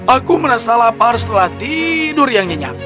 aku merasa lapar setelah tidur yang nyenyak